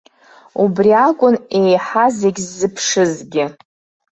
Убри акәын еиҳа зегь ззыԥшызгьы.